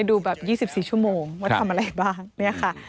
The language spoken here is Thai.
ดูแบบ๒๔ชั่วโมงว่าทำอะไรบ้างเนี่ยค่ะ